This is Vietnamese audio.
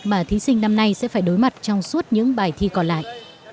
mà thí sinh năm nay sẽ phải đối mặt trong suốt những bài thi còn lại